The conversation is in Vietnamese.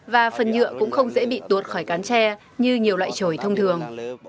và phần nhựa cũng không dễ bị tuốt khỏi cán tre như nhiều loại trội thông thường